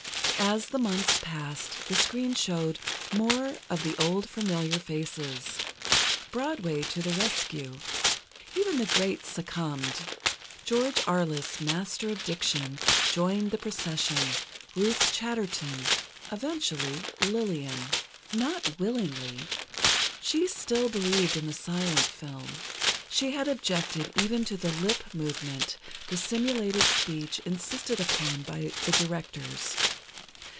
As the months passed, the screen showed more of the old familiar faces. Broadway to the rescue. Even the great succumbed. George Arliss, master of diction, joined the procession, Ruth Chatterton—eventually, Lillian. Not willingly. She still believed in the silent film. She had objected even to the lip movement, the simulated speech insisted upon by the directors.